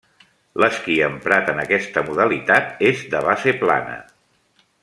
L'esquí emprat en aquesta modalitat és de base plana.